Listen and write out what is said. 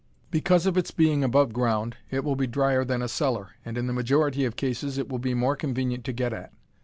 Because of its being above ground it will be drier than a cellar, and in the majority of cases it will be more convenient to get at.